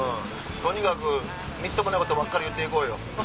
とにかくみっともないことばっかり言って行こうよ。